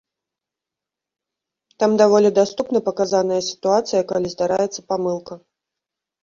Там даволі даступна паказаная сітуацыя, калі здараецца памылка.